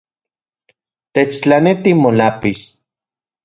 Techtlaneti molápiz